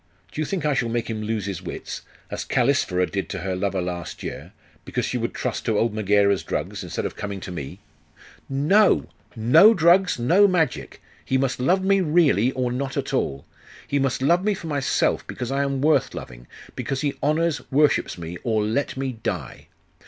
Do you think I shall make him lose his wits, as Callisphyra did to her lover last year, because she would trust to old Megaera's drugs, instead of coming to me!' 'No! No drugs; no magic! He must love me really, or not at all! He must love me for myself, because I am worth loving, because he honours, worships me, or let me die.